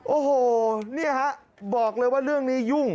โอ้โหนี่ฮะบอกเลยว่าเรื่องนี้ยุ่ง